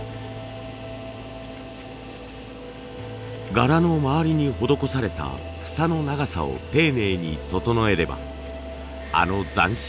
柄の周りに施されたふさの長さを丁寧に整えればあの斬新な柄が。